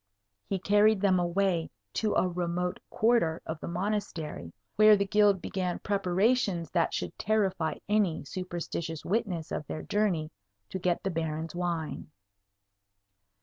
He carried them away to a remote quarter of the Monastery, where the Guild began preparations that should terrify any superstitious witness of their journey to get the Baron's wine.